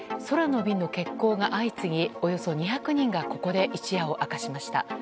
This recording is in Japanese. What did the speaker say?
空の便の欠航が相次ぎおよそ２００人がここで一夜を明かしました。